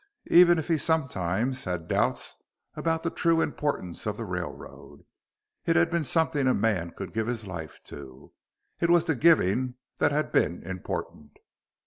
Even if he sometimes had doubts about the true importance of the railroad, it had been something a man could give his life to. It was the giving that had been important.